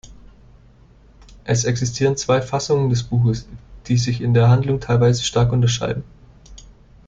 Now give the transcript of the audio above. Es existieren zwei Fassungen des Buches, die sich in der Handlung teilweise stark unterscheiden.